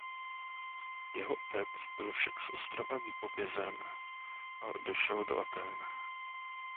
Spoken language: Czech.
Jeho otec byl však z ostrova vypovězen a odešel do Athén.